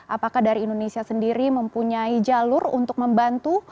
apakah dari indonesia sendiri mempunyai jalur untuk membantu